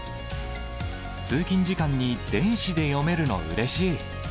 通勤時間に電子で読めるのうれしい。